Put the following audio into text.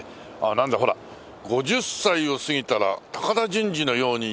なんだほら『５０歳を過ぎたら高田純次のように生きよう』。